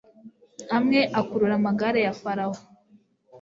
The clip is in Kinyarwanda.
amwe akurura amagare ya farawo